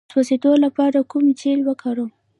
د سوځیدو لپاره کوم جیل وکاروم؟